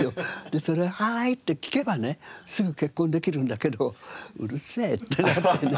それをはーいって聞けばねすぐ結婚できるんだけどうるせえってなってね。